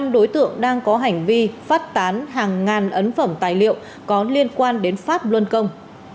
năm đối tượng đang có hành vi phát tán hàng ngàn ấn phẩm tài liệu có liên quan đến pháp luân công